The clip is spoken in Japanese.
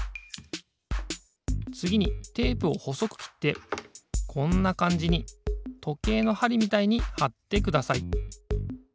つぎにテープをほそくきってこんなかんじにとけいのはりみたいにはってください。